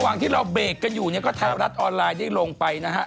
ระหว่างที่เราเบรกกันอยู่เนี่ยก็ไทยรัฐออนไลน์ได้ลงไปนะฮะ